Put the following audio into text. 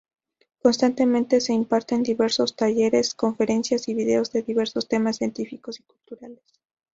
Constantemente se imparten diversos talleres, conferencias y vídeos de diversos temas científicos y culturales.